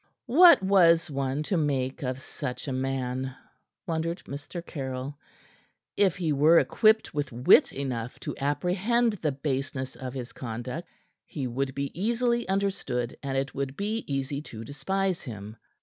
What was one to make of such a man, wondered Mr. Caryll. If he were equipped with wit enough to apprehend the baseness of his conduct, he would be easily understood and it would be easy to despise him.